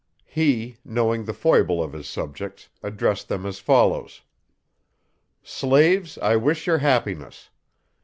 He, knowing the foible of his subjects, addresses them as follows: _Slaves, I wish your happiness.